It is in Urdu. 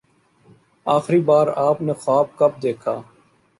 آخری بار آپ نے خواب کب دیکھا؟